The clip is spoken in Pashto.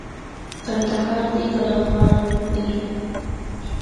کندهار دئ که لغمان دئ